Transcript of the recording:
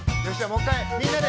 もう一回みんなで。